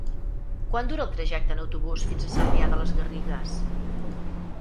Quant dura el trajecte en autobús fins a Cervià de les Garrigues?